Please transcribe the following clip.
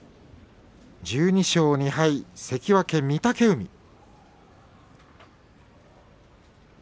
１２勝２敗、関脇御嶽海。